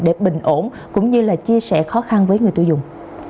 để bình ổn cũng như là chia sẻ khó khăn với người tiêu dùng